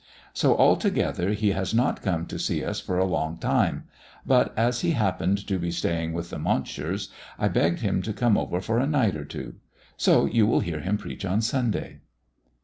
So altogether he has not come to see us for a long time; but as he happened to be staying with the Mountshires, I begged him to come over for a night or two; so you will hear him preach on Sunday."